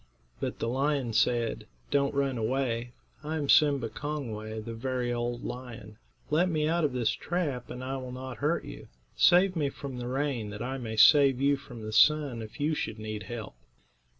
But the lion said: "Don't run away; I am Sim'ba Kong'way, the very old lion. Let me out of this trap, and I will not hurt you. Save me from the rain, that I may save you from the sun if you should need help."